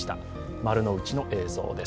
丸の内の映像です。